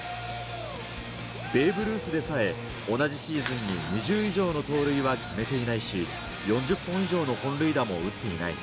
ベーブ・ルースでさえ、同じシーズンに２０以上の盗塁は決めていないし、４０本以上の本塁打も打っていない。